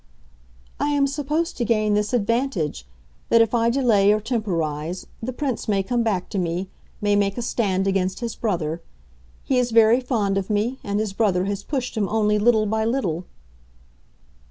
"I am supposed to gain this advantage—that if I delay, or temporize, the Prince may come back to me, may make a stand against his brother. He is very fond of me, and his brother has pushed him only little by little."